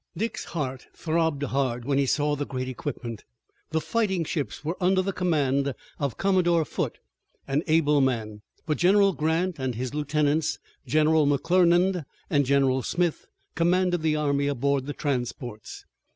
Dick's heart throbbed hard when he saw the great equipment. The fighting ships were under the command of Commodore Foote, an able man, but General Grant and his lieutenants, General McClernand and General Smith, commanded the army aboard the transports.